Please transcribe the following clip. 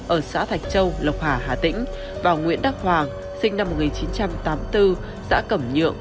ở xã thạch châu lộc hà hà tĩnh và nguyễn đắc hoàng sinh năm một nghìn chín trăm tám mươi bốn xã cẩm nhượng